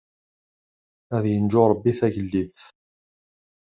Ad yenǧu Rebbi tagellidt.